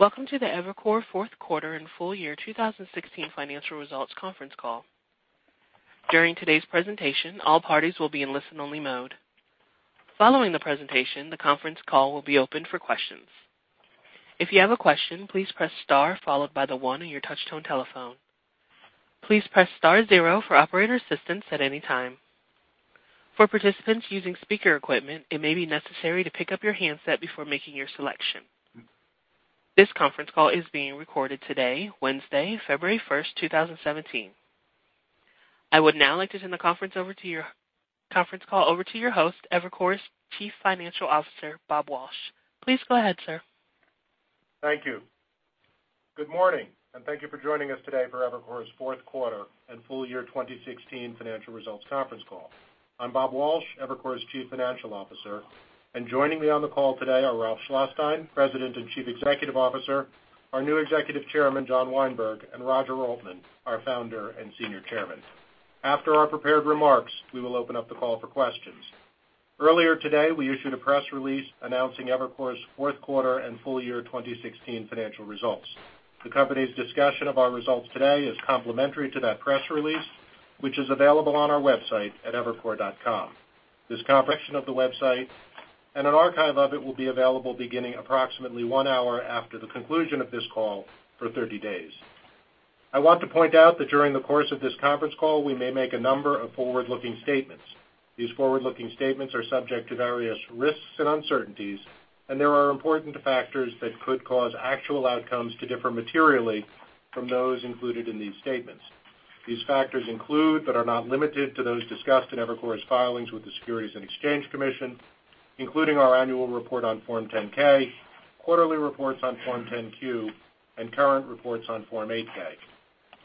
Welcome to the Evercore fourth quarter and full year 2016 financial results conference call. During today's presentation, all parties will be in listen-only mode. Following the presentation, the conference call will be opened for questions. If you have a question, please press star followed by the 1 on your touch-tone telephone. Please press star 0 for operator assistance at any time. For participants using speaker equipment, it may be necessary to pick up your handset before making your selection. This conference call is being recorded today, Wednesday, February 1st, 2017. I would now like to turn the conference call over to your host, Evercore's Chief Financial Officer, Bob Walsh. Please go ahead, sir. Thank you. Good morning. Thank you for joining us today for Evercore's fourth quarter and full year 2016 financial results conference call. I'm Bob Walsh, Evercore's Chief Financial Officer, and joining me on the call today are Ralph Schlosstein, President and Chief Executive Officer, our new Executive Chairman, John Weinberg, and Roger Altman, our Founder and Senior Chairman. After our prepared remarks, we will open up the call for questions. Earlier today, we issued a press release announcing Evercore's fourth quarter and full year 2016 financial results. The company's discussion of our results today is complementary to that press release, which is available on our website at evercore.com. This transcription of the website and an archive of it will be available beginning approximately one hour after the conclusion of this call for 30 days. I want to point out that during the course of this conference call, we may make a number of forward-looking statements. These forward-looking statements are subject to various risks and uncertainties, and there are important factors that could cause actual outcomes to differ materially from those included in these statements. These factors include but are not limited to those discussed in Evercore's filings with the Securities and Exchange Commission, including our annual report on Form 10-K, quarterly reports on Form 10-Q, and current reports on Form 8-K.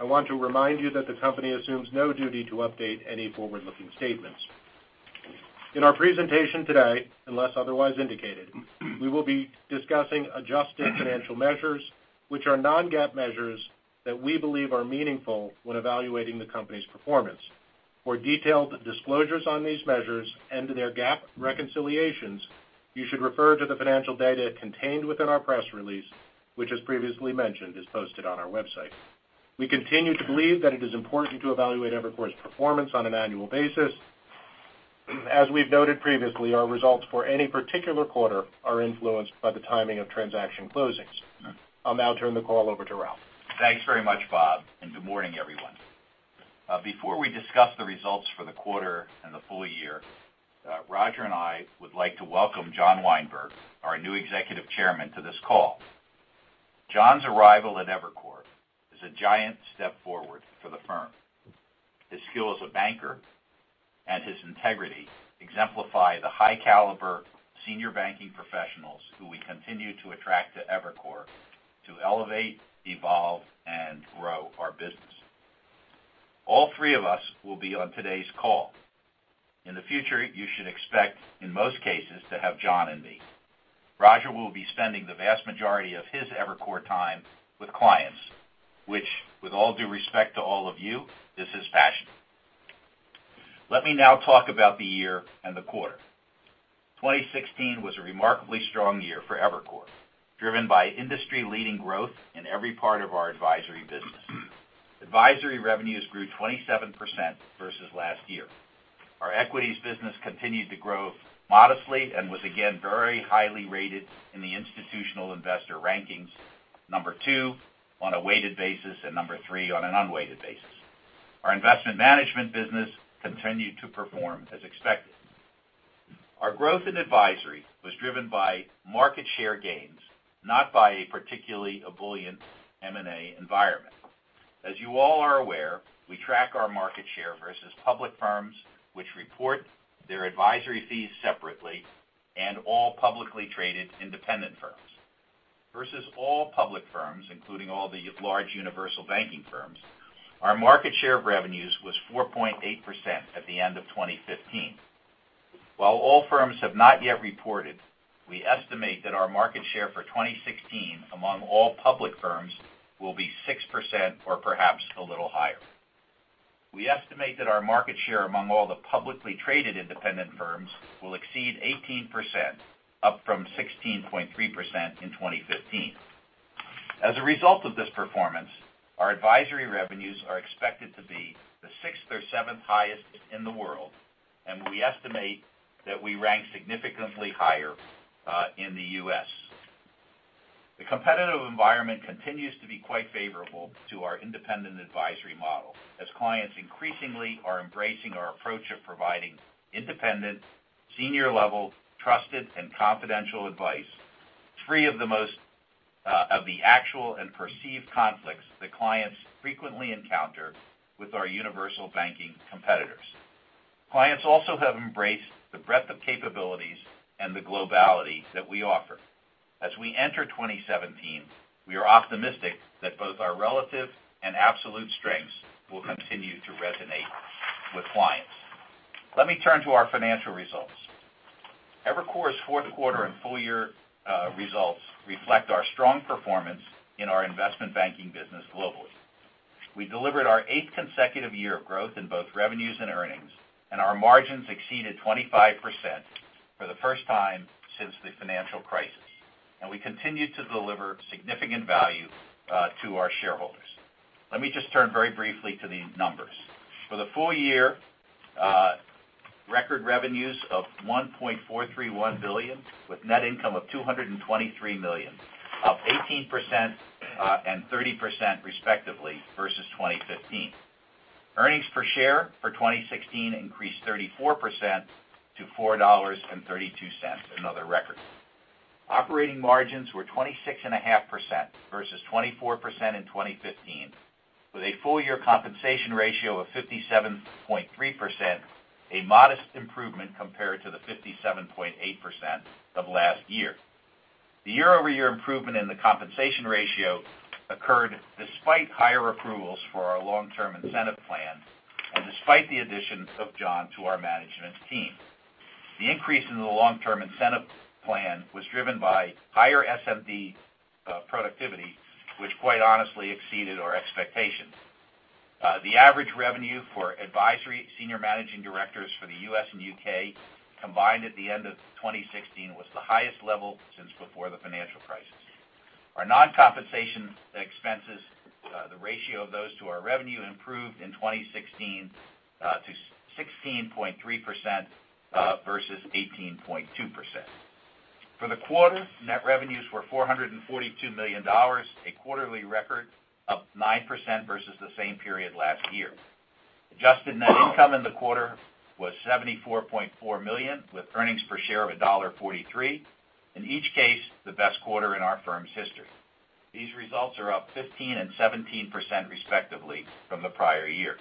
I want to remind you that the company assumes no duty to update any forward-looking statements. In our presentation today, unless otherwise indicated, we will be discussing adjusted financial measures, which are non-GAAP measures that we believe are meaningful when evaluating the company's performance. For detailed disclosures on these measures and their GAAP reconciliations, you should refer to the financial data contained within our press release, which, as previously mentioned, is posted on our website. We continue to believe that it is important to evaluate Evercore's performance on an annual basis. As we've noted previously, our results for any particular quarter are influenced by the timing of transaction closings. I'll now turn the call over to Ralph. Thanks very much, Bob, and good morning, everyone. Before we discuss the results for the quarter and the full year, Roger and I would like to welcome John Weinberg, our new Executive Chairman, to this call. John's arrival at Evercore is a giant step forward for the firm. His skill as a banker and his integrity exemplify the high-caliber senior banking professionals who we continue to attract to Evercore to elevate, evolve, and grow our business. All three of us will be on today's call. In the future, you should expect, in most cases, to have John and me. Roger will be spending the vast majority of his Evercore time with clients, which with all due respect to all of you, is his passion. Let me now talk about the year and the quarter. 2016 was a remarkably strong year for Evercore, driven by industry-leading growth in every part of our advisory business. Advisory revenues grew 27% versus last year. Our equities business continued to grow modestly and was again very highly rated in the Institutional Investor rankings, number two on a weighted basis and number three on an unweighted basis. Our investment management business continued to perform as expected. Our growth in advisory was driven by market share gains, not by a particularly ebullient M&A environment. As you all are aware, we track our market share versus public firms, which report their advisory fees separately and all publicly traded independent firms. Versus all public firms, including all the large universal banking firms, our market share of revenues was 4.8% at the end of 2015. While all firms have not yet reported, we estimate that our market share for 2016 among all public firms will be 6% or perhaps a little higher. We estimate that our market share among all the publicly traded independent firms will exceed 18%, up from 16.3% in 2015. As a result of this performance, our advisory revenues are expected to be the sixth or seventh highest in the world, and we estimate that we rank significantly higher in the U.S. The competitive environment continues to be quite favorable to our independent advisory model as clients increasingly are embracing our approach of providing independent, senior-level, trusted, and confidential advice, free of the actual and perceived conflicts that clients frequently encounter with our universal banking competitors. Clients also have embraced the breadth of capabilities and the globality that we offer. As we enter 2017, we are optimistic that both our relative and absolute strengths will continue to resonate with clients. Let me turn to our financial results. Evercore's fourth quarter and full year results reflect our strong performance in our investment banking business globally. We delivered our eighth consecutive year of growth in both revenues and earnings, and our margins exceeded 25% for the first time since the financial crisis. We continue to deliver significant value to our shareholders. Let me just turn very briefly to the numbers. For the full year, record revenues of $1.431 billion, with net income of $223 million, up 18% and 30% respectively, versus 2015. Earnings per share for 2016 increased 34% to $4.32, another record. Operating margins were 26.5% versus 24% in 2015, with a full-year compensation ratio of 57.3%, a modest improvement compared to the 57.8% of last year. The year-over-year improvement in the compensation ratio occurred despite higher approvals for our long-term incentive plan and despite the addition of John to our management team. The increase in the long-term incentive plan was driven by higher SMD productivity, which quite honestly exceeded our expectations. The average revenue for advisory Senior Managing Directors for the U.S. and U.K. combined at the end of 2016 was the highest level since before the financial crisis. Our non-compensation expenses, the ratio of those to our revenue improved in 2016 to 16.3% versus 18.2%. For the quarter, net revenues were $442 million, a quarterly record, up 9% versus the same period last year. Adjusted net income in the quarter was $74.4 million, with earnings per share of $1.43, in each case, the best quarter in our firm's history. These results are up 15% and 17% respectively from the prior year.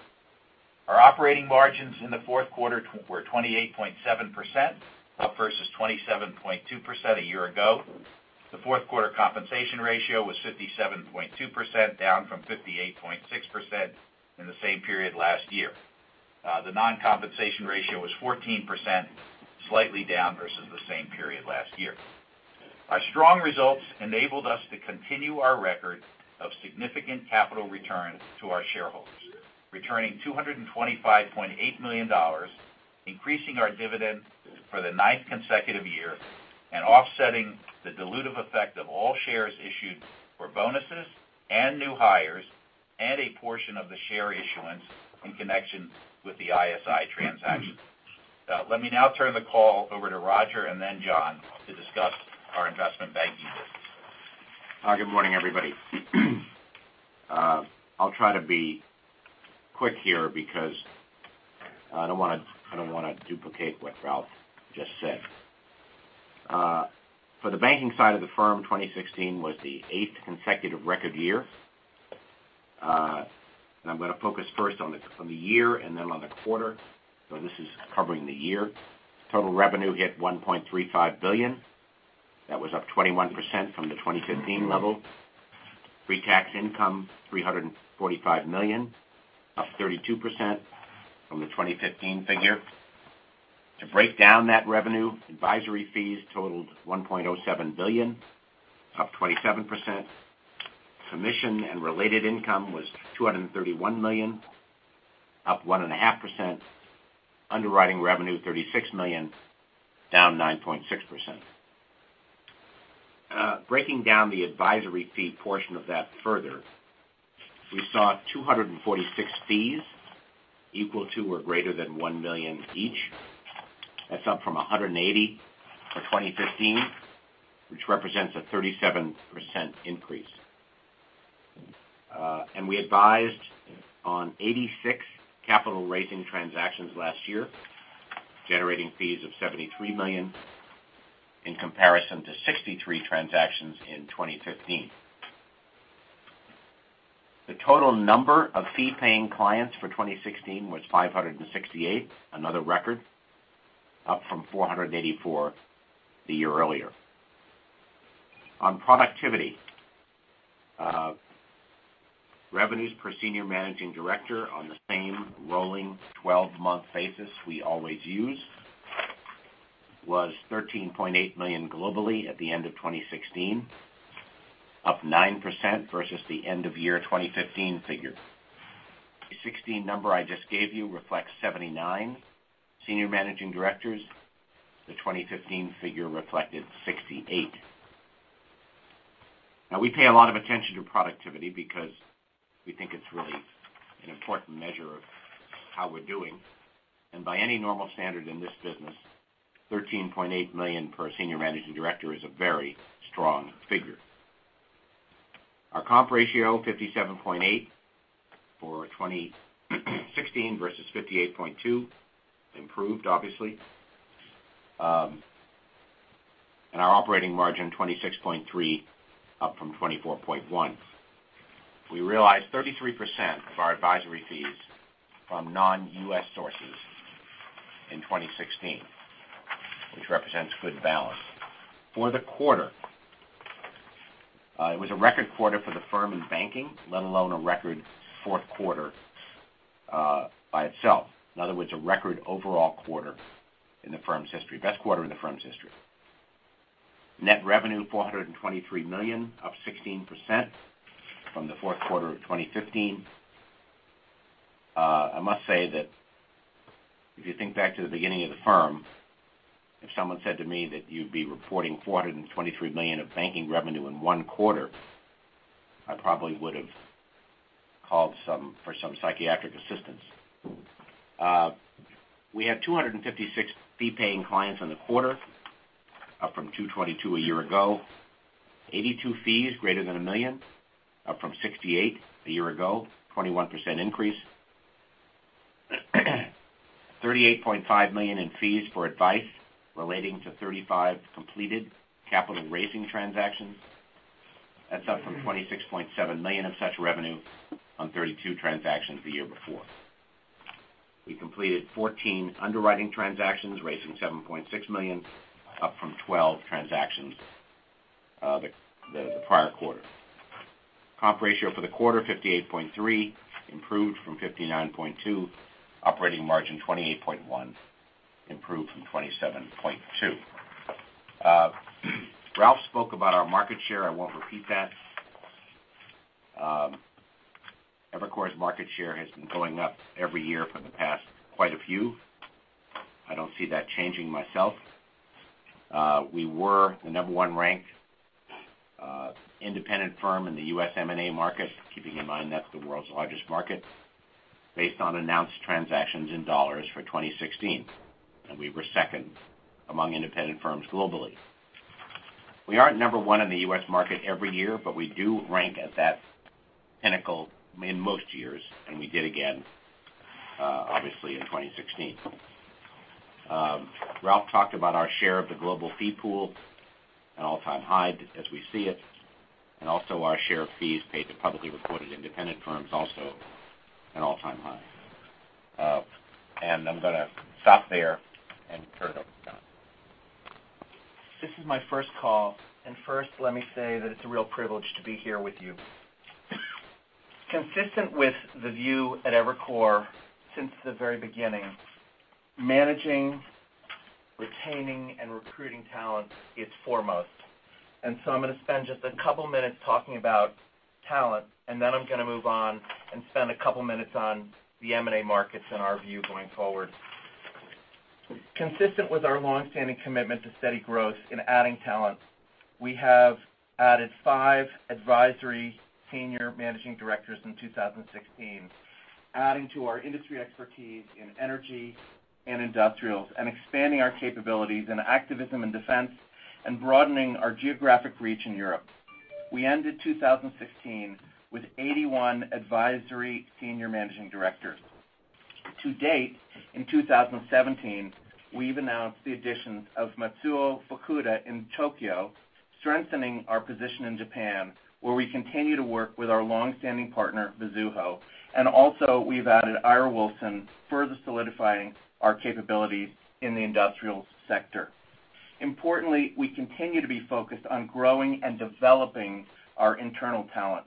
Our operating margins in the fourth quarter were 28.7%, up versus 27.2% a year ago. The fourth quarter compensation ratio was 57.2%, down from 58.6% in the same period last year. The non-compensation ratio was 14%, slightly down versus the same period last year. Our strong results enabled us to continue our record of significant capital returns to our shareholders, returning $225.8 million, increasing our dividend for the ninth consecutive year, and offsetting the dilutive effect of all shares issued for bonuses and new hires and a portion of the share issuance in connection with the ISI transaction. Let me now turn the call over to Roger and then John to discuss our investment banking business. Good morning, everybody. I'll try to be quick here because I don't want to duplicate what Ralph just said. For the banking side of the firm, 2016 was the eighth consecutive record year. I'm going to focus first on the year and then on the quarter. This is covering the year. Total revenue hit $1.35 billion. That was up 21% from the 2015 level. Pre-tax income, $345 million, up 32% from the 2015 figure. To break down that revenue, advisory fees totaled $1.07 billion, up 27%. Commission and related income was $231 million, up 1.5%. Underwriting revenue, $36 million, down 9.6%. Breaking down the advisory fee portion of that further, we saw 246 fees equal to or greater than $1 million each. That's up from 180 for 2015, which represents a 37% increase. We advised on 86 capital-raising transactions last year, generating fees of $73 million in comparison to 63 transactions in 2015. The total number of fee-paying clients for 2016 was 568, another record, up from 484 the year earlier. On productivity, revenues per Senior Managing Director on the same rolling 12-month basis we always use was $13.8 million globally at the end of 2016, up 9% versus the end of year 2015 figure. The 2016 number I just gave you reflects 79 Senior Managing Directors. The 2015 figure reflected 68. We pay a lot of attention to productivity because we think it's really an important measure of how we're doing. By any normal standard in this business, $13.8 million per Senior Managing Director is a very strong figure. Our comp ratio, 57.8% for 2016 versus 58.2%, improved obviously. Our operating margin, 26.3%, up from 24.1%. We realized 33% of our advisory fees from non-U.S. sources in 2016, which represents good balance. For the quarter, it was a record quarter for the firm in banking, let alone a record fourth quarter by itself. In other words, a record overall quarter in the firm's history, best quarter in the firm's history. Net revenue $423 million, up 16% from the fourth quarter of 2015. I must say that if you think back to the beginning of the firm, if someone said to me that you'd be reporting $423 million of banking revenue in one quarter, I probably would've called for some psychiatric assistance. We had 256 fee-paying clients in the quarter, up from 222 a year ago. 82 fees greater than a million, up from 68 a year ago, 21% increase. $38.5 million in fees for advice relating to 35 completed capital-raising transactions. That's up from $26.7 million of such revenue on 32 transactions the year before. We completed 14 underwriting transactions, raising $7.6 million, up from 12 transactions the prior quarter. Comp ratio for the quarter, 58.3, improved from 59.2. Operating margin 28.1, improved from 27.2. Ralph Schlosstein spoke about our market share. I won't repeat that. Evercore's market share has been going up every year for the past quite a few. I don't see that changing myself. We were the number one ranked independent firm in the U.S. M&A market, keeping in mind that's the world's largest market, based on announced transactions in dollars for 2016, and we were second among independent firms globally. We aren't number one in the U.S. market every year, but we do rank at that pinnacle in most years, and we did again, obviously, in 2016. Ralph Schlosstein talked about our share of the global fee pool, an all-time high as we see it, and also our share of fees paid to publicly recorded independent firms, also an all-time high. I'm going to stop there and turn it over to John. This is my first call. First, let me say that it's a real privilege to be here with you. Consistent with the view at Evercore since the very beginning, managing, retaining, and recruiting talent is foremost. So I'm going to spend just a couple minutes talking about talent, then I'm going to move on and spend a couple minutes on the M&A markets and our view going forward. Consistent with our longstanding commitment to steady growth in adding talent, we have added five advisory Senior Managing Directors in 2016, adding to our industry expertise in energy and industrials, and expanding our capabilities in activism and defense, and broadening our geographic reach in Europe. We ended 2016 with 81 advisory Senior Managing Directors. To date, in 2017, we've announced the addition of Matsuo Fukuda in Tokyo, strengthening our position in Japan, where we continue to work with our longstanding partner, Mizuho. Also, we've added Ira Wilson, further solidifying our capabilities in the industrial sector. Importantly, we continue to be focused on growing and developing our internal talent.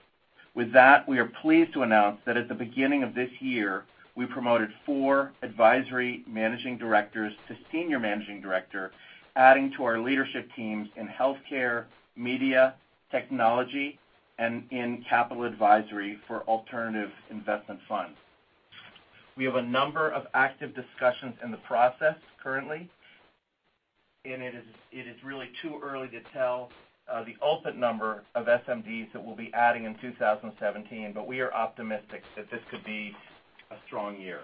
With that, we are pleased to announce that at the beginning of this year, we promoted four advisory managing directors to Senior Managing Director, adding to our leadership teams in healthcare, media, technology, and in capital advisory for alternative investment funds. We have a number of active discussions in the process currently, and it is really too early to tell the ultimate number of SMDs that we'll be adding in 2017, but we are optimistic that this could be a strong year.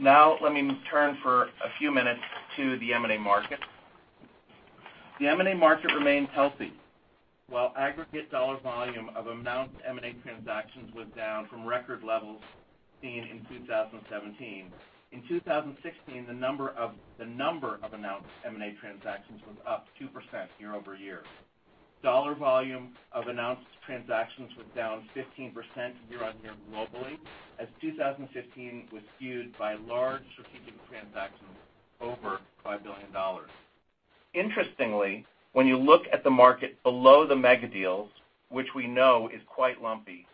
Let me turn for a few minutes to the M&A market. The M&A market remains healthy. While aggregate dollar volume of announced M&A transactions was down from record levels seen in 2017, in 2016, the number of announced M&A transactions was up 2% year-over-year. Dollar volume of announced transactions was down 15% year-on-year globally, as 2015 was skewed by large strategic transactions over $5 billion. Interestingly, when you look at the market below the mega deals, which we know is quite lumpy,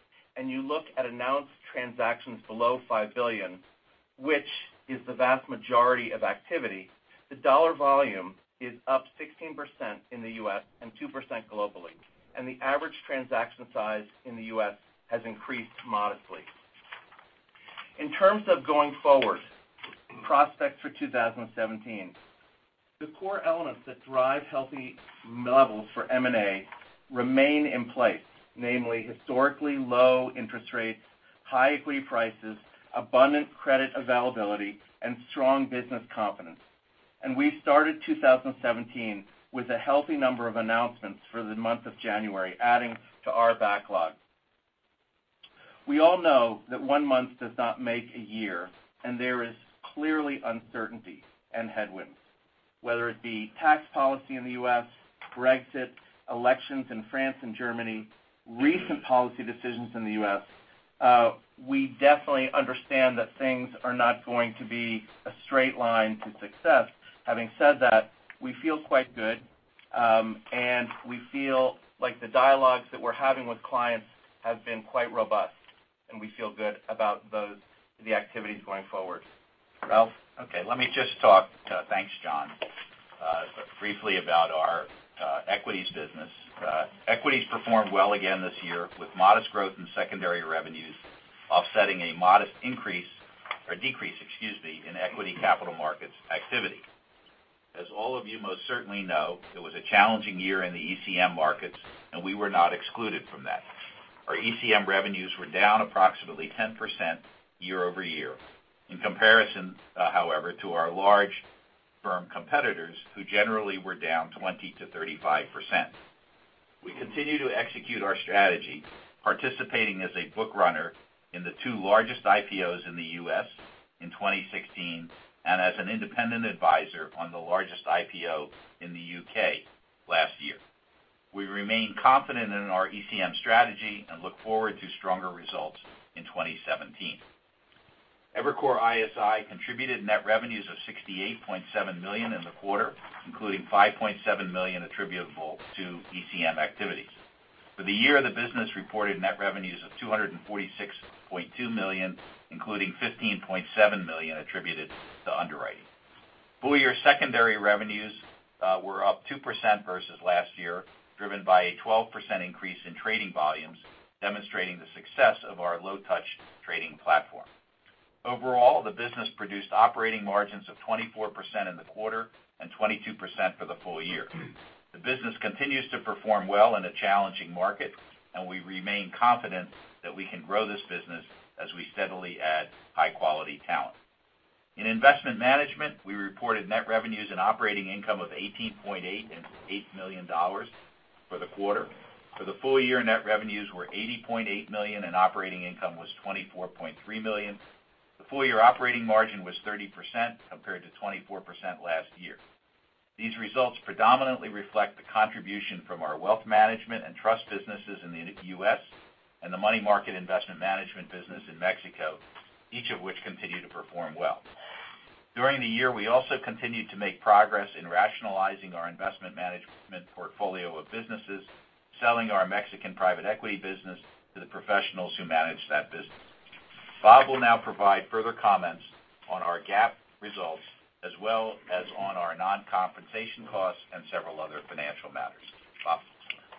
you look at announced transactions below $5 billion, which is the vast majority of activity, the dollar volume is up 16% in the U.S. 2% globally, and the average transaction size in the U.S. has increased modestly. In terms of going forward, prospects for 2017. The core elements that drive healthy levels for M&A remain in place, namely historically low interest rates, high equity prices, abundant credit availability, and strong business confidence. We started 2017 with a healthy number of announcements for the month of January, adding to our backlog. We all know that one month does not make a year, there is clearly uncertainty and headwinds, whether it be tax policy in the U.S., Brexit, elections in France and Germany, recent policy decisions in the U.S. We definitely understand that things are not going to be a straight line to success. Having said that, we feel quite good. We feel like the dialogues that we're having with clients have been quite robust, and we feel good about the activities going forward. Ralph? Okay, let me just talk, thanks, John, briefly about our equities business. Equities performed well again this year, with modest growth in secondary revenues offsetting a modest increase or decrease, excuse me, in ECM activity. As all of you most certainly know, it was a challenging year in the ECM markets, we were not excluded from that. Our ECM revenues were down approximately 10% year-over-year. In comparison, however, to our large firm competitors, who generally were down 20%-35%. We continue to execute our strategy, participating as a book runner in the two largest IPOs in the U.S. in 2016, as an independent adviser on the largest IPO in the U.K. last year. We remain confident in our ECM strategy and look forward to stronger results in 2017. Evercore ISI contributed net revenues of $68.7 million in the quarter, including $5.7 million attributable to ECM activities. For the year, the business reported net revenues of $246.2 million, including $15.7 million attributed to underwriting. Full-year secondary revenues were up 2% versus last year, driven by a 12% increase in trading volumes, demonstrating the success of our low-touch trading platform. Overall, the business produced operating margins of 24% in the quarter and 22% for the full year. The business continues to perform well in a challenging market, and we remain confident that we can grow this business as we steadily add high-quality talent. In investment management, we reported net revenues and operating income of $18.8 million and $8 million for the quarter. For the full year, net revenues were $80.8 million, and operating income was $24.3 million. The full-year operating margin was 30%, compared to 24% last year. These results predominantly reflect the contribution from our wealth management and trust businesses in the U.S. and the money market investment management business in Mexico, each of which continue to perform well. During the year, we also continued to make progress in rationalizing our investment management portfolio of businesses, selling our Mexican private equity business to the professionals who manage that business. Bob will now provide further comments on our GAAP results, as well as on our non-compensation costs and several other financial matters. Bob?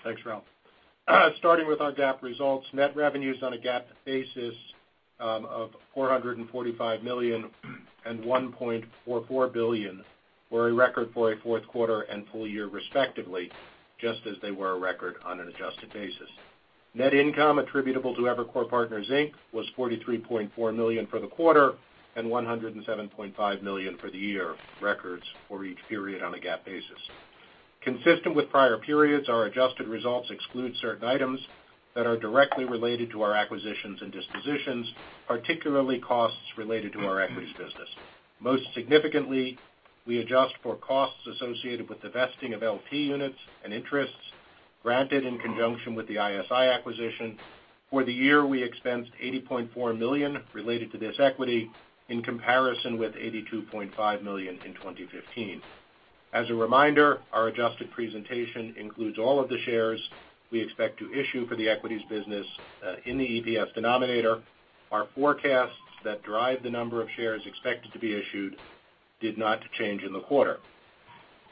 Thanks, Ralph. Starting with our GAAP results, net revenues on a GAAP basis of $445 million and $1.44 billion were a record for a fourth quarter and full year respectively, just as they were a record on an adjusted basis. Net income attributable to Evercore Partners Inc. was $43.4 million for the quarter and $107.5 million for the year, records for each period on a GAAP basis. Consistent with prior periods, our adjusted results exclude certain items that are directly related to our acquisitions and dispositions, particularly costs related to our equities business. Most significantly, we adjust for costs associated with the vesting of LP units and interests granted in conjunction with the ISI acquisition. For the year, we expensed $80.4 million related to this equity, in comparison with $82.5 million in 2015. As a reminder, our adjusted presentation includes all of the shares we expect to issue for the equities business in the EPS denominator. Our forecasts that drive the number of shares expected to be issued did not change in the quarter.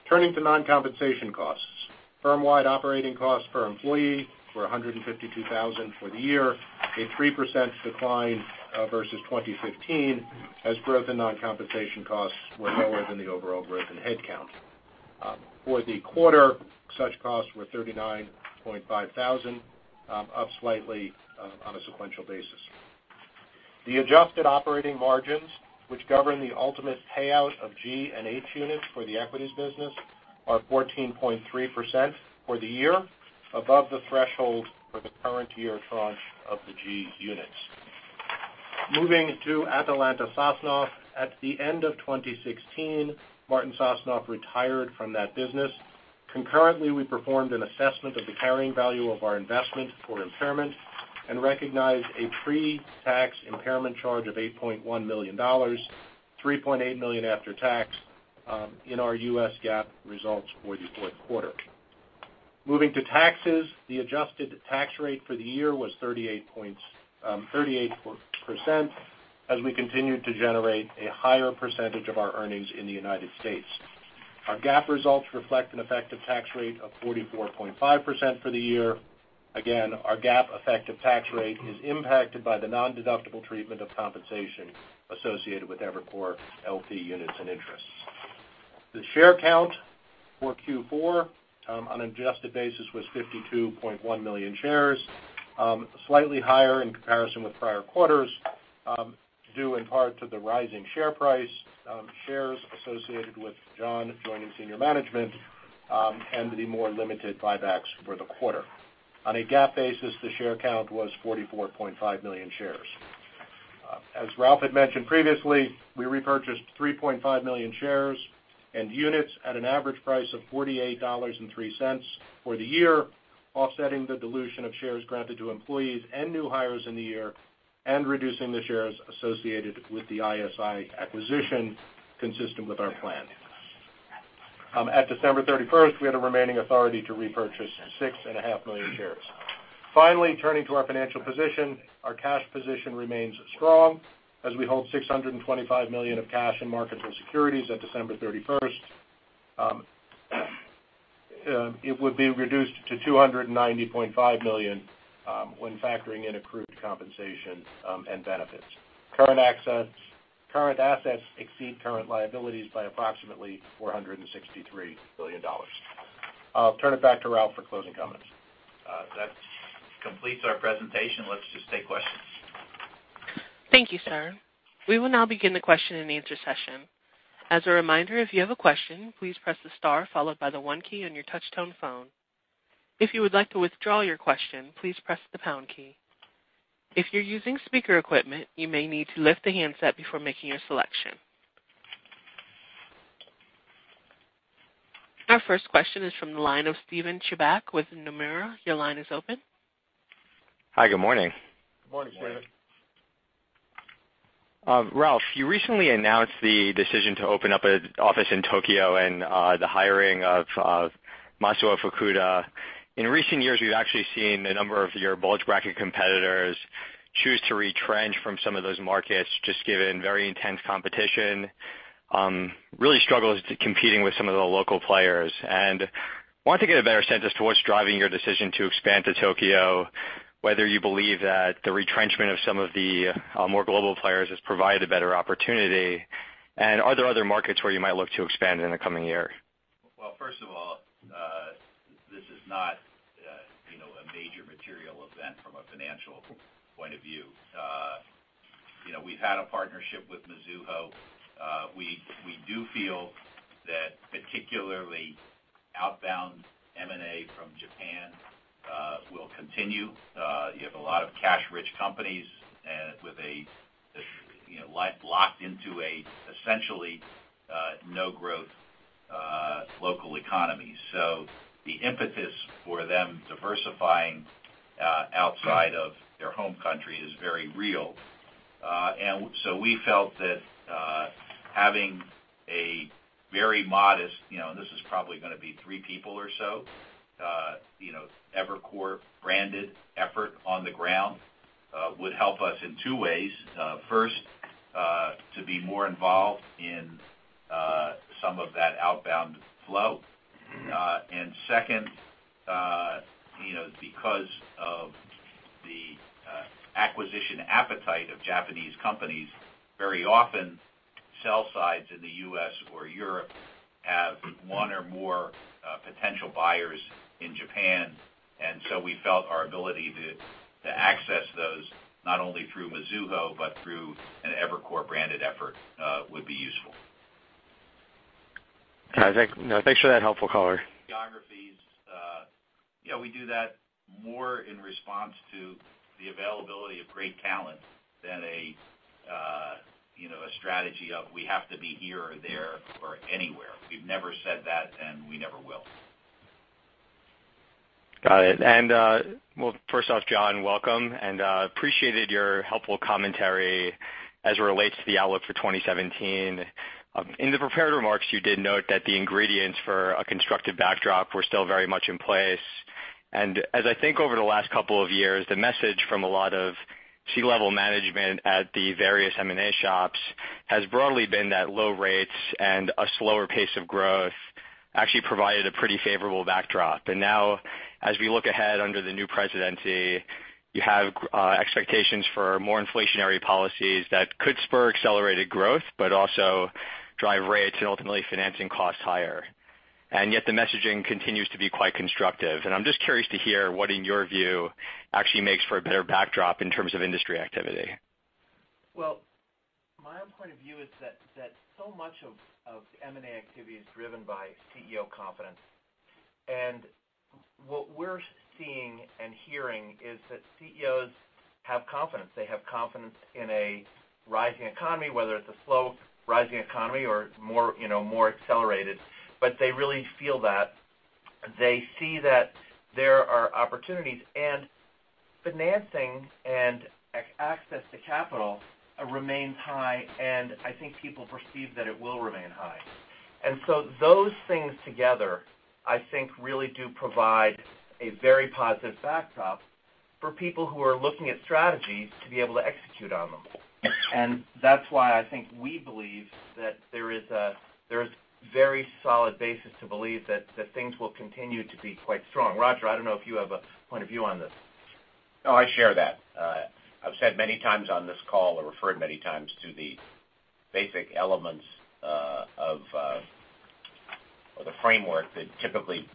Turning to non-compensation costs. Firm-wide operating costs per employee were $152,000 for the year, a 3% decline versus 2015, as growth in non-compensation costs were lower than the overall growth in headcount. For the quarter, such costs were $39.5 thousand, up slightly on a sequential basis. The adjusted operating margins, which govern the ultimate payout of G and H units for the equities business, are 14.3% for the year above the threshold for the current year tranche of the G units. Moving to Atalanta Sosnoff. At the end of 2016, Martin Sosnoff retired from that business. Concurrently, we performed an assessment of the carrying value of our investment for impairment and recognized a pre-tax impairment charge of $8.1 million, $3.8 million after tax in our U.S. GAAP results for the fourth quarter. Moving to taxes, the adjusted tax rate for the year was 38% as we continued to generate a higher percentage of our earnings in the United States. Our GAAP results reflect an effective tax rate of 44.5% for the year. Again, our GAAP effective tax rate is impacted by the non-deductible treatment of compensation associated with Evercore LP units and interests. The share count for Q4 on an adjusted basis was 52.1 million shares, slightly higher in comparison with prior quarters, due in part to the rising share price, shares associated with John joining senior management, and the more limited buybacks for the quarter. On a GAAP basis, the share count was 44.5 million shares. As Ralph had mentioned previously, we repurchased 3.5 million shares and units at an average price of $48.03 for the year. Offsetting the dilution of shares granted to employees and new hires in the year, and reducing the shares associated with the ISI acquisition consistent with our plan. At December 31st, we had a remaining authority to repurchase 6.5 million shares. Finally, turning to our financial position, our cash position remains strong as we hold $625 million of cash and market and securities at December 31st. It would be reduced to $290.5 million when factoring in accrued compensation and benefits. Current assets exceed current liabilities by approximately $463 million. I'll turn it back to Ralph for closing comments. That completes our presentation. Let's just take questions. Thank you, sir. We will now begin the question and answer session. As a reminder, if you have a question, please press the star followed by the one key on your touch tone phone. If you would like to withdraw your question, please press the pound key. If you're using speaker equipment, you may need to lift the handset before making your selection. Our first question is from the line of Steven Chubak with Nomura. Your line is open. Hi, good morning. Good morning, Steven. Morning. Ralph, you recently announced the decision to open up an office in Tokyo and the hiring of Matsuo Fukuda. In recent years, we've actually seen a number of your bulge bracket competitors choose to retrench from some of those markets, just given very intense competition, really struggles competing with some of the local players. Wanted to get a better sense as to what's driving your decision to expand to Tokyo, whether you believe that the retrenchment of some of the more global players has provided a better opportunity, and are there other markets where you might look to expand in the coming year? Well, first of all, this is not a major material event from a financial point of view. We've had a partnership with Mizuho. We do feel that particularly outbound M&A from Japan will continue. You have a lot of cash-rich companies locked into a essentially, no growth local economy. The impetus for them diversifying outside of their home country is very real. We felt that having a very modest, this is probably going to be three people or so, Evercore-branded effort on the ground, would help us in two ways. First, to be more involved in some of that outbound flow. Second, because of the acquisition appetite of Japanese companies, very often sell sides in the U.S. or Europe have one or more potential buyers in Japan. We felt our ability to access those, not only through Mizuho, but through an Evercore-branded effort, would be useful. Got it. Thanks for that helpful color. Geographies. We do that more in response to the availability of great talent than a strategy of we have to be here or there or anywhere. We've never said that, and we never will. Got it. Well, first off, John, welcome, and appreciated your helpful commentary as it relates to the outlook for 2017. In the prepared remarks, you did note that the ingredients for a constructive backdrop were still very much in place. As I think over the last couple of years, the message from a lot of C-level management at the various M&A shops has broadly been that low rates and a slower pace of growth actually provided a pretty favorable backdrop. Now, as we look ahead under the new presidency, you have expectations for more inflationary policies that could spur accelerated growth but also drive rates and ultimately financing costs higher. Yet the messaging continues to be quite constructive. I'm just curious to hear what, in your view, actually makes for a better backdrop in terms of industry activity. Well, my own point of view is that so much of M&A activity is driven by CEO confidence. What we're seeing and hearing is that CEOs have confidence. They have confidence in a rising economy, whether it's a slow rising economy or more accelerated, but they really feel that. They see that there are opportunities, financing and access to capital remains high, and I think people perceive that it will remain high. So those things together, I think, really do provide a very positive backdrop for people who are looking at strategies to be able to execute on them. That's why I think we believe that there is very solid basis to believe that things will continue to be quite strong. Roger, I don't know if you have a point of view on this. No, I share that. I've said many times on this call or referred many times to the basic elements of the framework that typically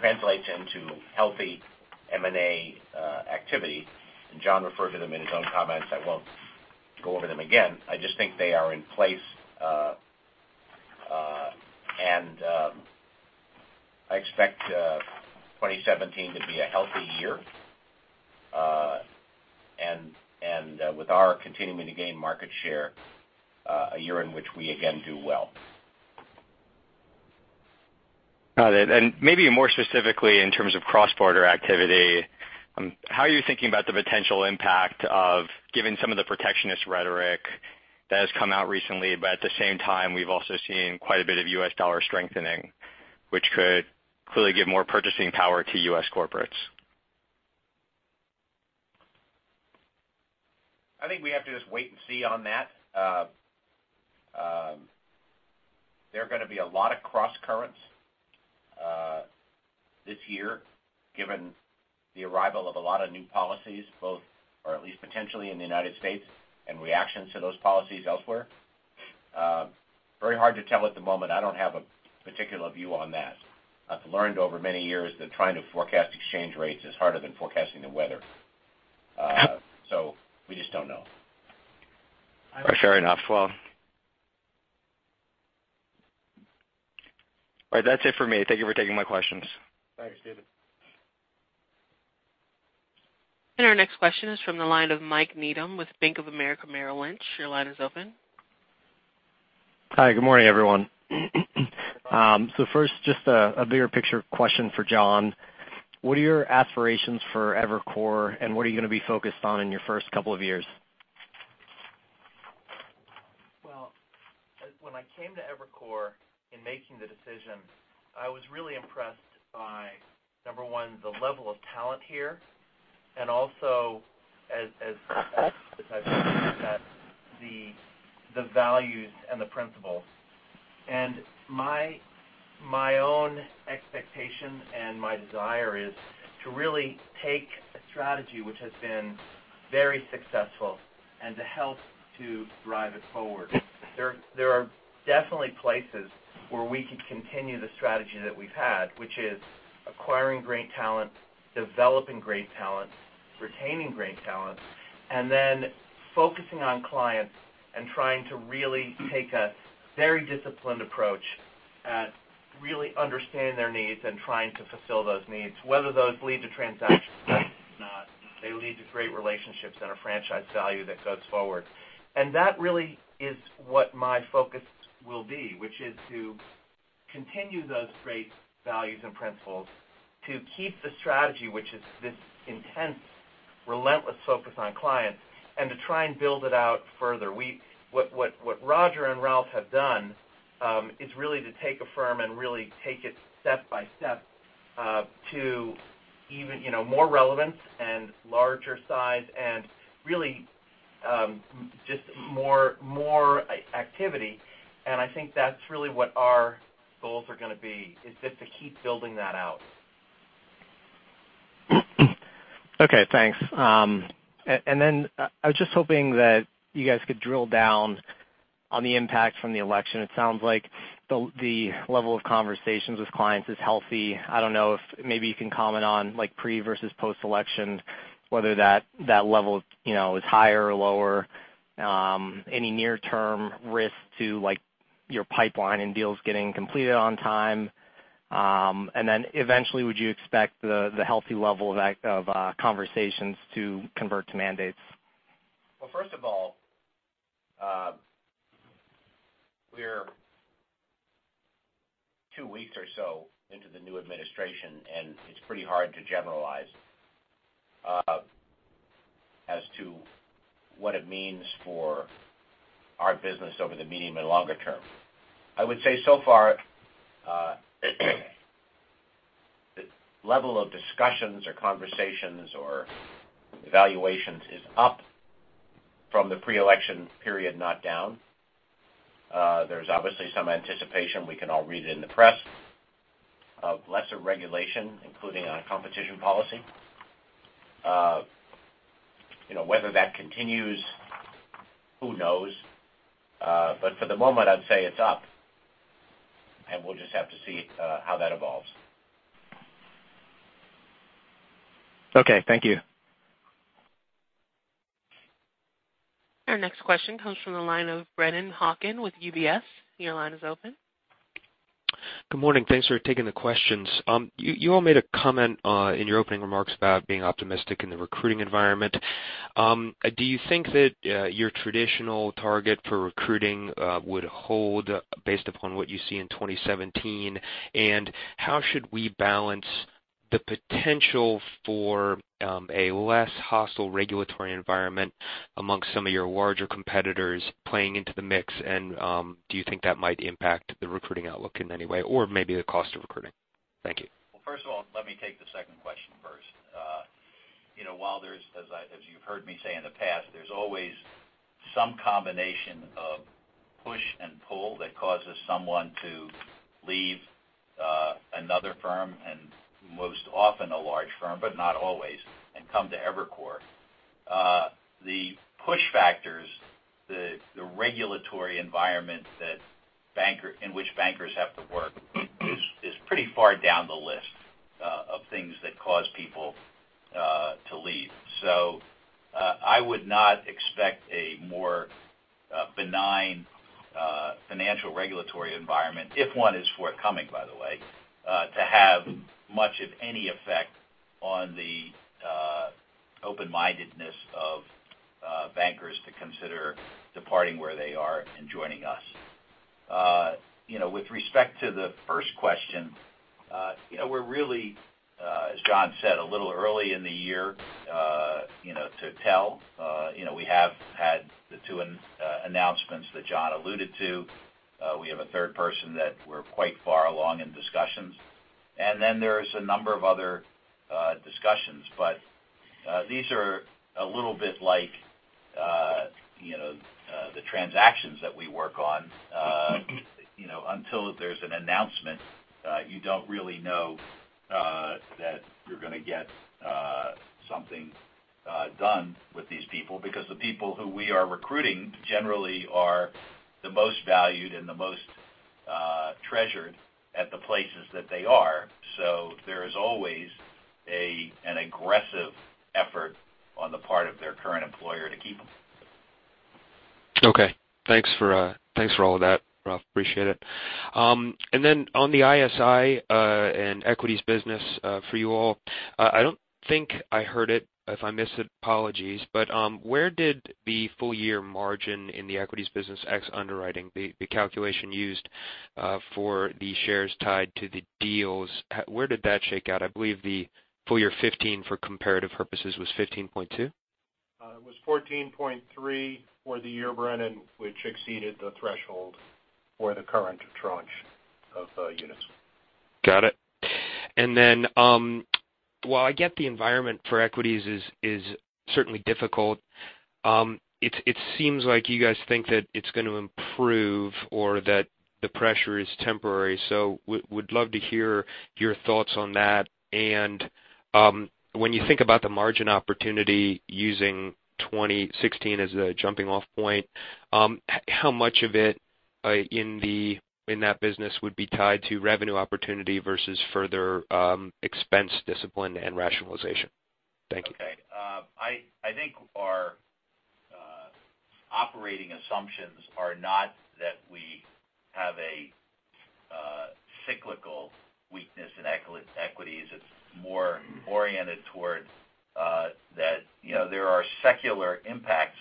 translates into healthy M&A activity. John referred to them in his own comments. I won't go over them again. I just think they are in place, I expect 2017 to be a healthy year with our continuing to gain market share, a year in which we again do well. Got it. Maybe more specifically in terms of cross-border activity, how are you thinking about the potential impact of giving some of the protectionist rhetoric that has come out recently? At the same time, we've also seen quite a bit of U.S. dollar strengthening, which could clearly give more purchasing power to U.S. corporates. I think we have to just wait and see on that. There are going to be a lot of crosscurrents this year, given the arrival of a lot of new policies, both or at least potentially in the United States and reactions to those policies elsewhere. Very hard to tell at the moment. I don't have a particular view on that. I've learned over many years that trying to forecast exchange rates is harder than forecasting the weather. We just don't know. Fair enough. Well, that's it for me. Thank you for taking my questions. Thanks, Steven. Our next question is from the line of Michael Needham with Bank of America Merrill Lynch. Your line is open. Hi, good morning, everyone. First, just a bigger picture question for John. What are your aspirations for Evercore, and what are you going to be focused on in your first couple of years? When I came to Evercore in making the decision, I was really impressed by, number one, the level of talent here, and also as I've looked at the values and the principles. My own expectation and my desire is to really take a strategy which has been very successful and to help to drive it forward. There are definitely places where we could continue the strategy that we've had, which is acquiring great talent, developing great talent, retaining great talent, and then focusing on clients and trying to really take a very disciplined approach at really understanding their needs and trying to fulfill those needs. Whether those lead to transactions or not, they lead to great relationships and a franchise value that goes forward. That really is what my focus will be, which is to continue those great values and principles, to keep the strategy, which is this intense, relentless focus on clients, and to try and build it out further. What Roger and Ralph have done is really to take a firm and really take it step by step to even more relevance and larger size and really just more activity. I think that's really what our goals are going to be, is just to keep building that out. Okay, thanks. Then I was just hoping that you guys could drill down on the impact from the election. It sounds like the level of conversations with clients is healthy. I don't know if maybe you can comment on pre- versus post-election, whether that level is higher or lower. Any near-term risk to your pipeline and deals getting completed on time. Eventually, would you expect the healthy level of conversations to convert to mandates? First of all, we're two weeks or so into the new administration, and it's pretty hard to generalize as to what it means for our business over the medium and longer term. I would say so far, the level of discussions or conversations or evaluations is up from the pre-election period, not down. There's obviously some anticipation we can all read in the press of lesser regulation, including on competition policy. Whether that continues, who knows? For the moment, I'd say it's up, and we'll just have to see how that evolves. Okay, thank you. Our next question comes from the line of Brennan Hawken with UBS. Your line is open. Good morning. Thanks for taking the questions. You all made a comment in your opening remarks about being optimistic in the recruiting environment. How should we balance the potential for a less hostile regulatory environment amongst some of your larger competitors playing into the mix? Do you think that might impact the recruiting outlook in any way, or maybe the cost of recruiting? Thank you. Well, first of all, let me take the second question first. While there's, as you've heard me say in the past, there's always some combination of push and pull that causes someone to leave another firm and most often a large firm, but not always, and come to Evercore. The push factors, the regulatory environment in which bankers have to work is pretty far down the list of things that cause people to leave. I would not expect a more benign financial regulatory environment, if one is forthcoming, by the way, to have much of any effect on the open-mindedness of bankers to consider departing where they are and joining us. With respect to the first question, we're really, as John said, a little early in the year to tell. We have had the two announcements that John alluded to. We have a third person that we're quite far along in discussions. There's a number of other discussions, these are a little bit like the transactions that we work on. Until there's an announcement, you don't really know that you're going to get something done with these people because the people who we are recruiting generally are the most valued and the most treasured at the places that they are. There is always an aggressive effort on the part of their current employer to keep them. Okay. Thanks for all of that, Ralph. Appreciate it. On the ISI and equities business for you all, I don't think I heard it. If I missed it, apologies. Where did the full-year margin in the equities business ex underwriting, the calculation used for the shares tied to the deals, where did that shake out? I believe the full year 2015 for comparative purposes was 15.2%. It was 14.3% for the year, Brennan, which exceeded the threshold for the current tranche of units. Got it. While I get the environment for equities is certainly difficult, it seems like you guys think that it's going to improve or that the pressure is temporary. Would love to hear your thoughts on that. When you think about the margin opportunity using 2016 as a jumping-off point, how much of it in that business would be tied to revenue opportunity versus further expense discipline and rationalization? Thank you. Okay. I think our operating assumptions are not that we have a cyclical weakness in equities. It's more oriented towards that there are secular impacts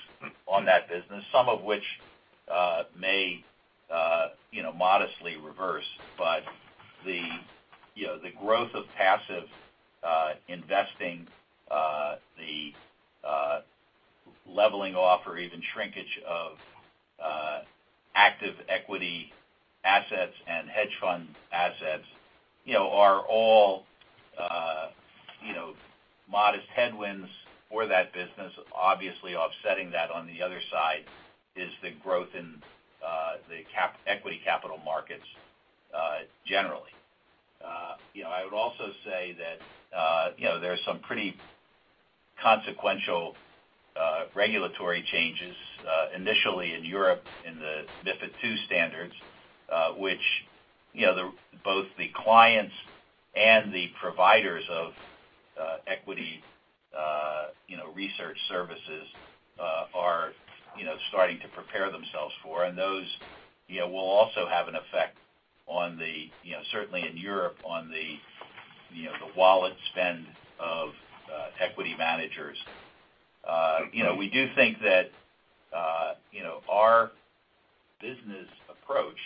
on that business, some of which may modestly reverse. The growth of passive investing, the leveling off or even shrinkage of active equity assets and hedge fund assets are all modest headwinds for that business. Obviously, offsetting that on the other side is the growth in the equity capital markets generally. I would also say that there are some pretty consequential regulatory changes, initially in Europe in the MiFID II standards which both the clients and the providers of equity research services are starting to prepare themselves for. Those will also have an effect certainly in Europe on the wallet spend of equity managers. We do think that our business approach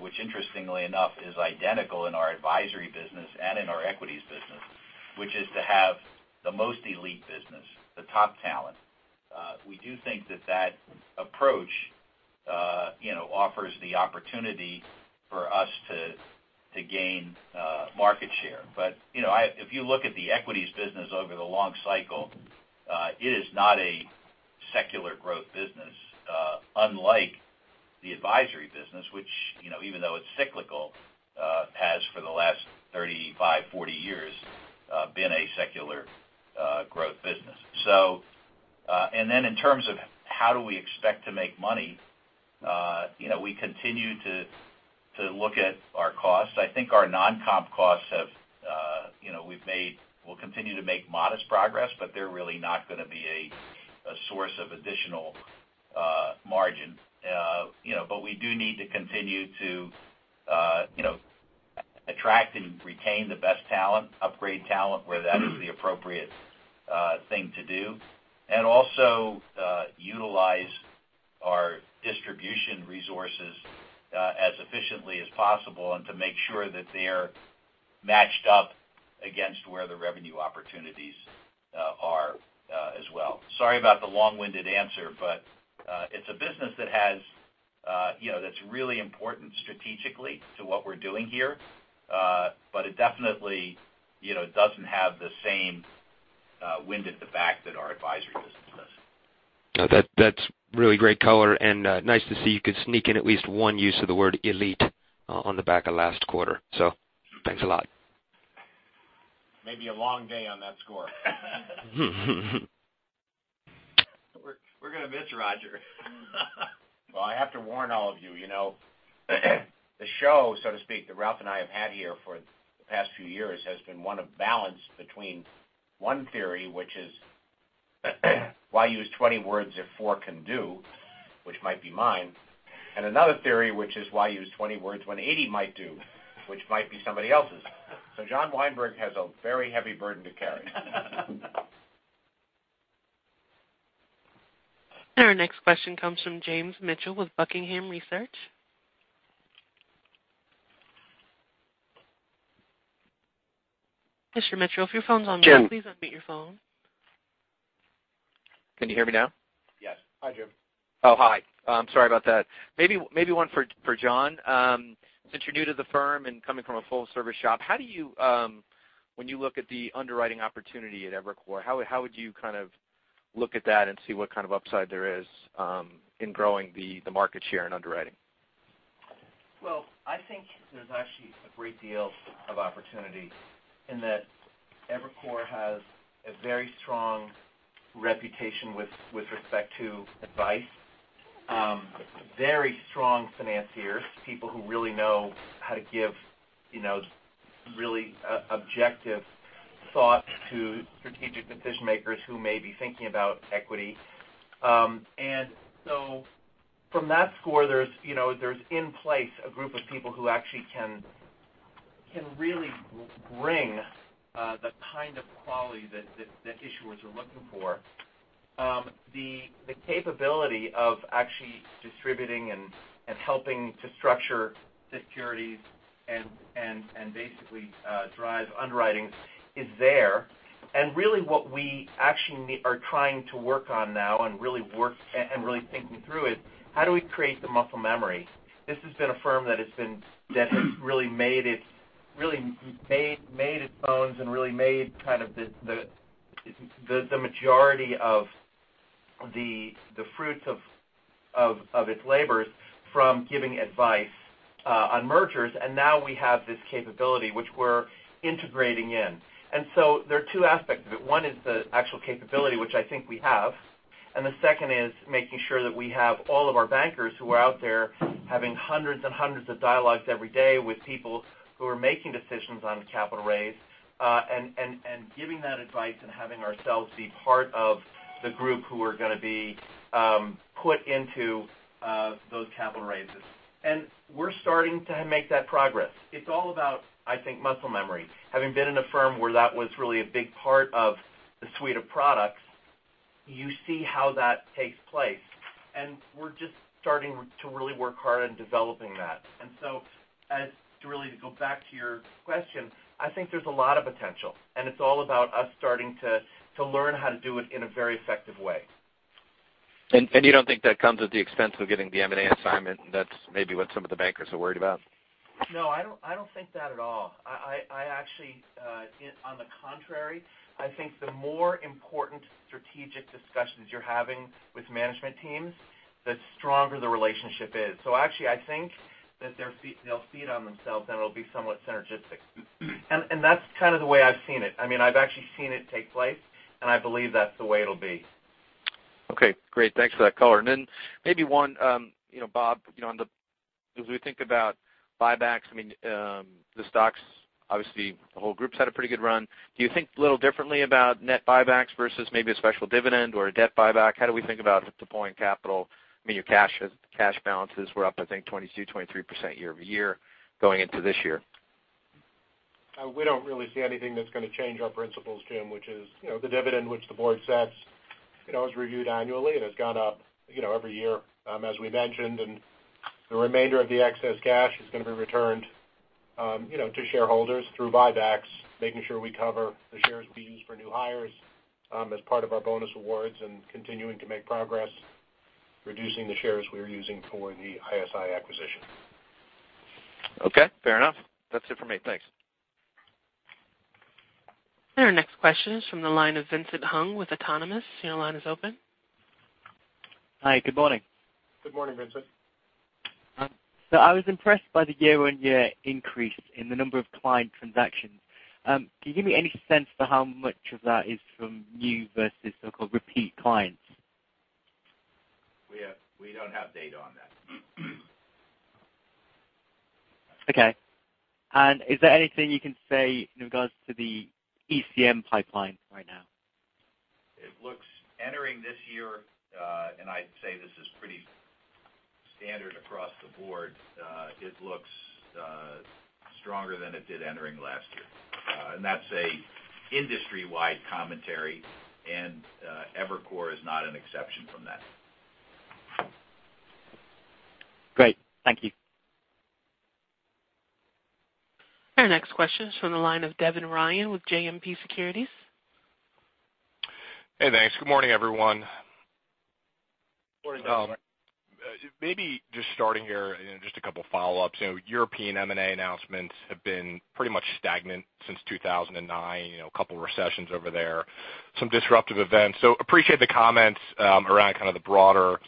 which interestingly enough is identical in our advisory business and in our equities business, which is to have the most elite business, the top talent. We do think that that approach offers the opportunity for us to gain market share. If you look at the equities business over the long cycle, it is not a secular growth business unlike the advisory business, which even though it's cyclical, has for the last 35, 40 years, been a secular growth business. In terms of how do we expect to make money, we continue to look at our costs. I think our non-comp costs, we'll continue to make modest progress, but they're really not going to be a source of additional margin. We do need to continue to attract and retain the best talent, upgrade talent where that is the appropriate thing to do, and also utilize our distribution resources as efficiently as possible and to make sure that they're matched up against where the revenue opportunities are as well. Sorry about the long-winded answer, but it's a business that's really important strategically to what we're doing here. It definitely doesn't have the same wind at the back that our advisory business does. That's really great color, and nice to see you could sneak in at least one use of the word elite on the back of last quarter. Thanks a lot. Maybe a long day on that score. We're going to miss Roger. Well, I have to warn all of you. The show, so to speak, that Ralph and I have had here for the past few years has been one of balance between One theory, which is why use 20 words if four can do, which might be mine, and another theory which is why use 20 words when 80 might do, which might be somebody else's. John Weinberg has a very heavy burden to carry. Our next question comes from James Mitchell with Buckingham Research. Mr. Mitchell, if your phone's on mute- Jim please unmute your phone. Can you hear me now? Yes. Hi, Jim. Oh, hi. Sorry about that. Maybe one for John. Since you're new to the firm and coming from a full-service shop, when you look at the underwriting opportunity at Evercore, how would you look at that and see what kind of upside there is in growing the market share in underwriting? Well, I think there's actually a great deal of opportunity in that Evercore has a very strong reputation with respect to advice. Very strong financiers, people who really know how to give really objective thought to strategic decision-makers who may be thinking about equity. From that score, there's in place a group of people who actually can really bring the kind of quality that issuers are looking for. The capability of actually distributing and helping to structure securities and basically drive underwriting is there. Really what we actually are trying to work on now and really thinking through is how do we create the muscle memory? This has been a firm that has really made its bones and really made kind of the majority of the fruits of its labors from giving advice on mergers. Now we have this capability, which we're integrating in. There are two aspects of it. One is the actual capability, which I think we have, and the second is making sure that we have all of our bankers who are out there having hundreds and hundreds of dialogues every day with people who are making decisions on capital raise, and giving that advice and having ourselves be part of the group who are going to be put into those capital raises. We're starting to make that progress. It's all about, I think, muscle memory. Having been in a firm where that was really a big part of the suite of products, you see how that takes place, and we're just starting to really work hard on developing that. To really go back to your question, I think there's a lot of potential, and it's all about us starting to learn how to do it in a very effective way. You don't think that comes at the expense of getting the M&A assignment, that's maybe what some of the bankers are worried about? No, I don't think that at all. On the contrary, I think the more important strategic discussions you're having with management teams, the stronger the relationship is. Actually, I think that they'll feed on themselves, and it'll be somewhat synergistic. That's kind of the way I've seen it. I've actually seen it take place, and I believe that's the way it'll be. Okay, great. Thanks for that color. Then maybe one, Bob, as we think about buybacks, the stocks, obviously the whole group's had a pretty good run. Do you think a little differently about net buybacks versus maybe a special dividend or a debt buyback? How do we think about deploying capital? Your cash balances were up, I think 22%, 23% year-over-year, going into this year. We don't really see anything that's going to change our principles, Jim, which is the dividend which the board sets is reviewed annually, and it's gone up every year as we mentioned. The remainder of the excess cash is going to be returned to shareholders through buybacks, making sure we cover the shares we use for new hires as part of our bonus awards and continuing to make progress reducing the shares we are using for the ISI acquisition. Okay, fair enough. That's it for me. Thanks. Our next question is from the line of Vincent Hung with Autonomous. Your line is open. Hi. Good morning. Good morning, Vincent. I was impressed by the year-on-year increase in the number of client transactions. Can you give me any sense for how much of that is from new versus so-called repeat clients? We don't have data on that. Okay. Is there anything you can say in regards to the ECM pipeline right now? Entering this year, and I'd say this is pretty standard across the board, it looks stronger than it did entering last year. That's a industry-wide commentary, and Evercore is not an exception from that. Great. Thank you. Our next question is from the line of Devin Ryan with JMP Securities. Hey, thanks. Good morning, everyone. Morning. Maybe just starting here, and just a couple follow-ups. European M&A announcements have been pretty much stagnant since 2009, a couple recessions over there, some disruptive events. Appreciate the comments around kind of the broader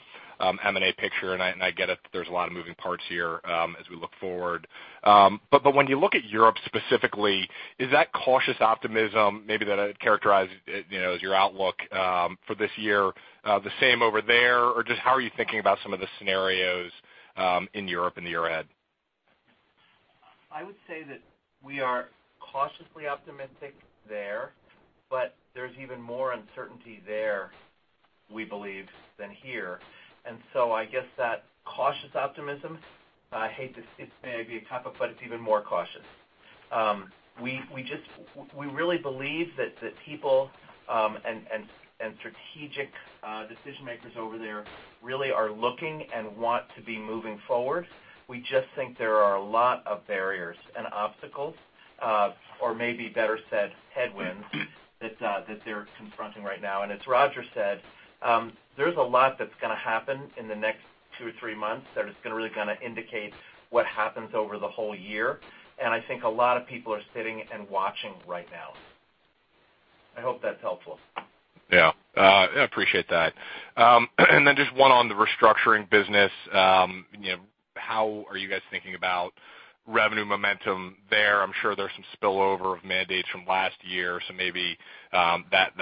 M&A picture, and I get it that there's a lot of moving parts here as we look forward. When you look at Europe specifically, is that cautious optimism maybe that characterized as your outlook for this year the same over there, or just how are you thinking about some of the scenarios in Europe in the year ahead? I would say that we are cautiously optimistic there, but there's even more uncertainty there, we believe, than here. I guess that cautious optimism, I hate to say it, may be a cop-out, but it's even more cautious. We really believe that the people and strategic decision-makers over there really are looking and want to be moving forward. We just think there are a lot of barriers and obstacles, or maybe better said, headwinds that they're confronting right now. As Roger said, there's a lot that's going to happen in the next two to three months that is really going to indicate what happens over the whole year. I think a lot of people are sitting and watching right now. I hope that's helpful. Yeah. I appreciate that. Just one on the restructuring business. How are you guys thinking about revenue momentum there? I'm sure there's some spillover of mandates from last year. Maybe that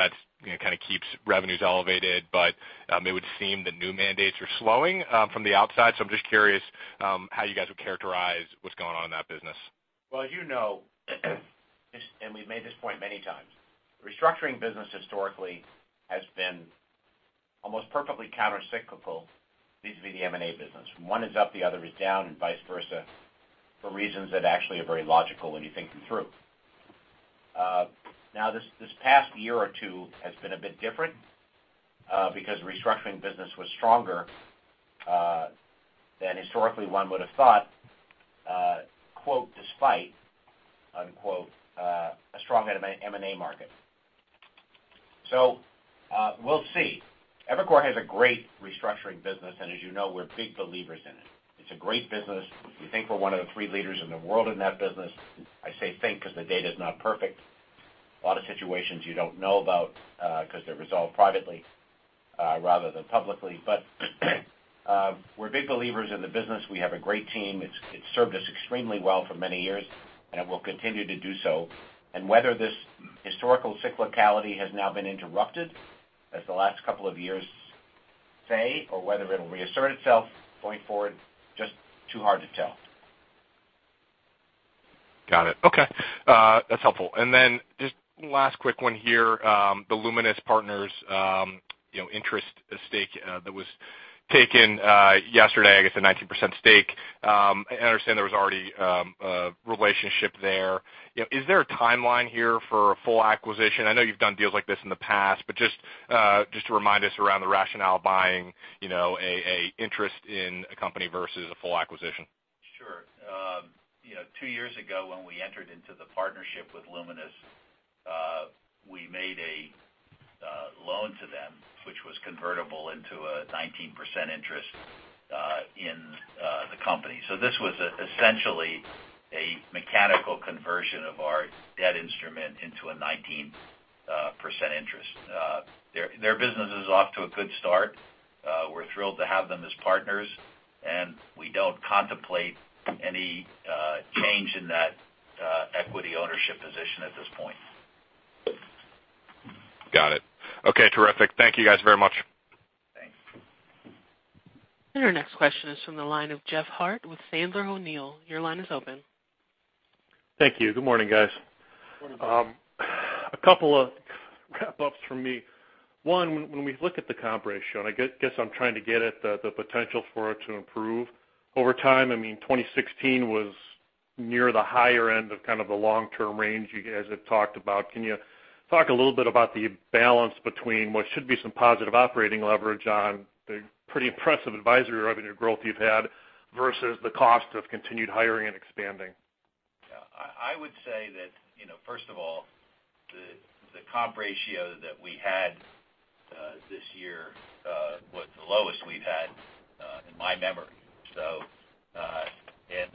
keeps revenues elevated. It would seem the new mandates are slowing from the outside. I'm just curious how you guys would characterize what's going on in that business. Well, as you know, we've made this point many times, the restructuring business historically has been almost perfectly countercyclical vis-à-vis the M&A business. When one is up, the other is down, and vice versa for reasons that actually are very logical when you think them through. Now, this past year or two has been a bit different, because the restructuring business was stronger than historically one would have thought, "despite" a strong M&A market. We'll see. Evercore has a great restructuring business, and as you know, we're big believers in it. It's a great business. We think we're one of the three leaders in the world in that business. I say think because the data's not perfect. A lot of situations you don't know about, because they're resolved privately rather than publicly. We're big believers in the business. We have a great team. It's served us extremely well for many years, it will continue to do so. Whether this historical cyclicality has now been interrupted, as the last couple of years say, or whether it'll reassert itself going forward, just too hard to tell. Got it. Okay. That's helpful. Just one last quick one here. The Luminis Partners interest stake that was taken yesterday, I guess a 19% stake. I understand there was already a relationship there. Is there a timeline here for a full acquisition? I know you've done deals like this in the past, just to remind us around the rationale of buying an interest in a company versus a full acquisition. Sure. Two years ago, when we entered into the partnership with Luminis, we made a loan to them, which was convertible into a 19% interest in the company. This was essentially a mechanical conversion of our debt instrument into a 19% interest. Their business is off to a good start. We're thrilled to have them as partners, we don't contemplate any change in that equity ownership position at this point. Got it. Okay, terrific. Thank you guys very much. Thanks. Our next question is from the line of Jeff Harte with Sandler O'Neill. Your line is open. Thank you. Good morning, guys. Good morning. A couple of wrap-ups from me. One, when we look at the comp ratio, I guess I'm trying to get at the potential for it to improve over time. I mean, 2016 was near the higher end of kind of the long-term range you guys have talked about. Can you talk a little bit about the balance between what should be some positive operating leverage on the pretty impressive advisory revenue growth you've had versus the cost of continued hiring and expanding? I would say that, first of all, the comp ratio that we had this year was the lowest we've had in my memory.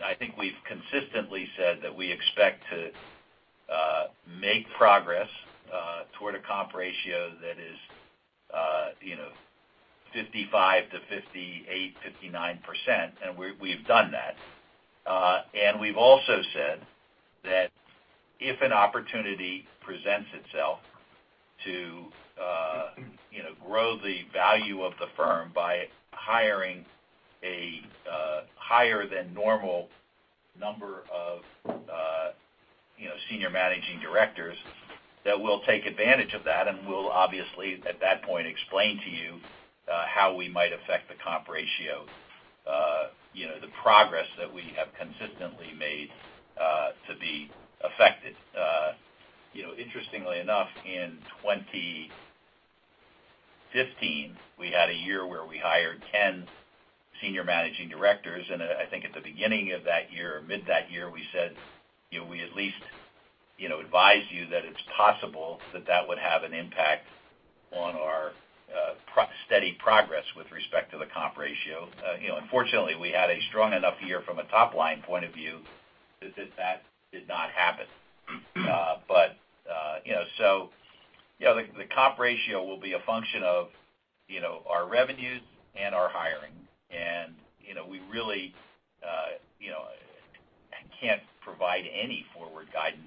I think we've consistently said that we expect to make progress toward a comp ratio that is 55%-58%, 59%, and we've done that. We've also said that if an opportunity presents itself to grow the value of the firm by hiring a higher than normal number of senior managing directors, that we'll take advantage of that, and we'll obviously, at that point, explain to you how we might affect the comp ratio. The progress that we have consistently made to be affected. Interestingly enough, in 2015, we had a year where we hired 10 senior managing directors, and I think at the beginning of that year or mid that year, we said we at least advise you that it's possible that that would have an impact on our steady progress with respect to the comp ratio. Fortunately, we had a strong enough year from a top-line point of view that that did not happen. The comp ratio will be a function of our revenues and our hiring. We really can't provide any forward guidance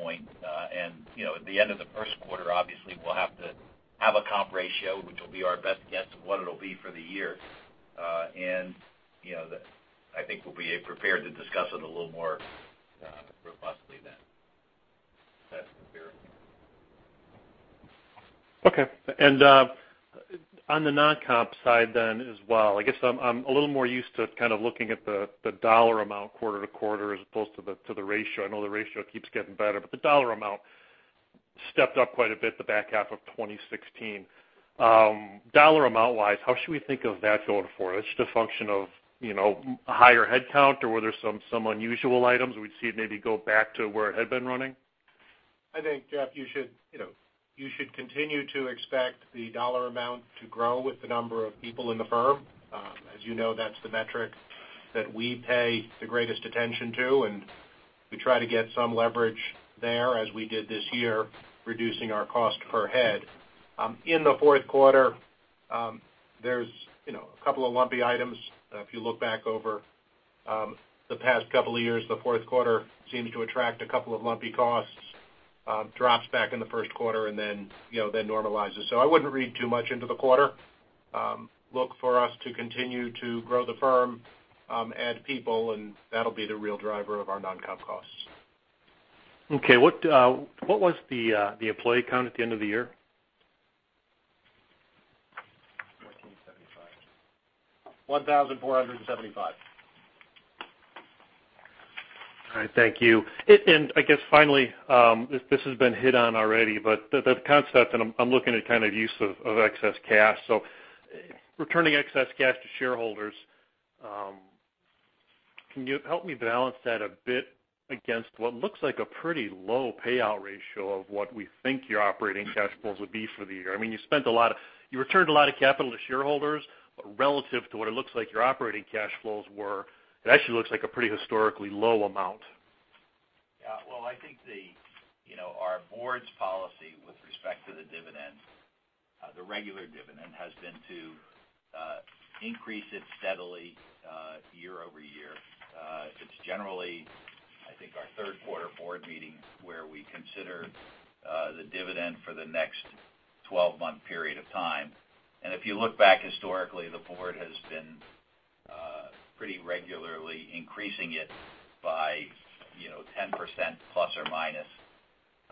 point. At the end of the first quarter, obviously we'll have to have a comp ratio, which will be our best guess of what it'll be for the year. I think we'll be prepared to discuss it a little more robustly then. That's the fair. Okay. On the non-comp side then as well, I guess I'm a little more used to looking at the dollar amount quarter-to-quarter as opposed to the ratio. I know the ratio keeps getting better, but the dollar amount stepped up quite a bit the back half of 2016. Dollar amount-wise, how should we think of that going forward? Is it just a function of a higher head count or were there some unusual items? We'd see it maybe go back to where it had been running? I think, Jeff, you should continue to expect the dollar amount to grow with the number of people in the firm. As you know, that's the metric that we pay the greatest attention to, and we try to get some leverage there, as we did this year, reducing our cost per head. In the fourth quarter, there's a couple of lumpy items. If you look back over the past couple of years, the fourth quarter seems to attract a couple of lumpy costs, drops back in the first quarter, and then normalizes. I wouldn't read too much into the quarter. Look for us to continue to grow the firm, add people, and that'll be the real driver of our non-comp costs. Okay. What was the employee count at the end of the year? 1,475. 1,475. All right, thank you. I guess, finally, this has been hit on already, the concept, I'm looking at use of excess cash. Returning excess cash to shareholders, can you help me balance that a bit against what looks like a pretty low payout ratio of what we think your operating cash flows would be for the year? You returned a lot of capital to shareholders, relative to what it looks like your operating cash flows were, it actually looks like a pretty historically low amount. Yeah. Well, I think our board's policy with respect to the dividends, the regular dividend, has been to increase it steadily year-over-year. It's generally, I think, our third quarter board meeting where we consider the dividend for the next 12-month period of time. If you look back historically, the board has been pretty regularly increasing it by 10% plus or minus.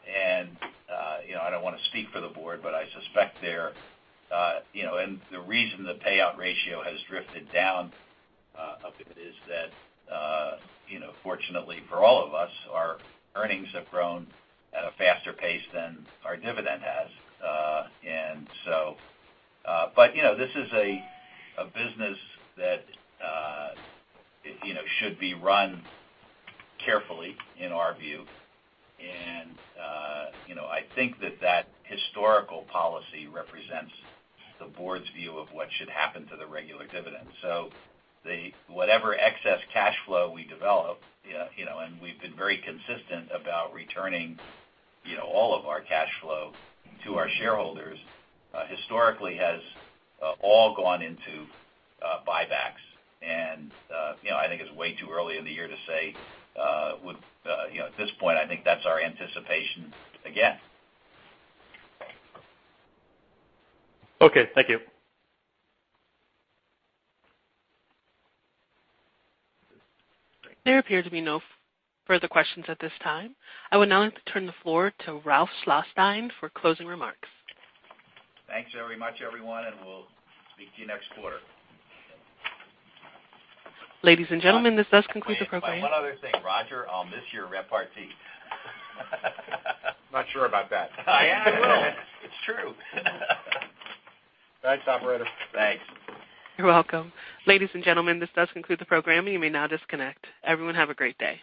I don't want to speak for the board, but I suspect the reason the payout ratio has drifted down a bit is that, fortunately for all of us, our earnings have grown at a faster pace than our dividend has. This is a business that should be run carefully, in our view. I think that historical policy represents the board's view of what should happen to the regular dividend. Whatever excess cash flow we develop, and we've been very consistent about returning all of our cash flow to our shareholders, historically has all gone into buybacks. I think it's way too early in the year to say. At this point, I think that's our anticipation again. Okay. Thank you. There appear to be no further questions at this time. I would now like to turn the floor to Ralph Schlosstein for closing remarks. Thanks very much, everyone, and we'll speak to you next quarter. Ladies and gentlemen, this does conclude the program. Wait, one other thing, Roger, I'll miss your repartee. I'm not sure about that. I am. It's true. Thanks, operator. Thanks. You're welcome. Ladies and gentlemen, this does conclude the program. You may now disconnect. Everyone have a great day.